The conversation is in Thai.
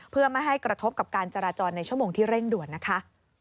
เพื่อไม่ให้กระทบกับการจราจรในชั่วโมงที่เร่งด่วนนะคะ